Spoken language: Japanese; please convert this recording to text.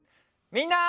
みんな！